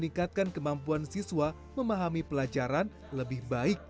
meningkatkan kemampuan siswa memahami pelajaran lebih baik